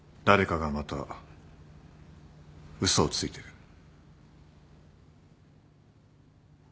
誰かがまた嘘をついてる。